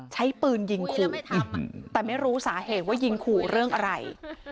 ใช้ปืนยิงขู่แต่ไม่รู้สาเหตุว่ายิงขู่เรื่องอะไร